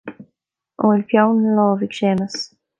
An bhfuil peann ina lámh ag Séamus